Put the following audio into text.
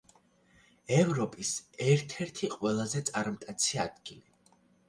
ევროპის ერთ-ერთი ყველაზე წარმტაცი ადგილი.